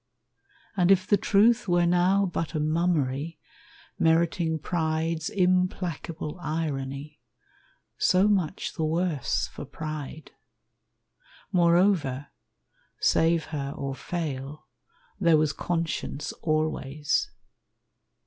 And if the truth were now but a mummery, Meriting pride's implacable irony, So much the worse for pride. Moreover, Save her or fail, there was conscience always.